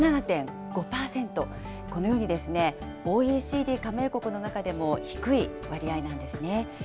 このようにＯＥＣＤ加盟国の中でも低い割合なんですね。